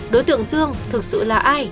đối tượng dương thực sự là ai